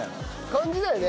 感じだよね？